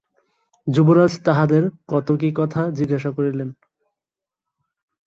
যুবরাজ তাহাদের কত কী কথা জিজ্ঞাসা করিলেন।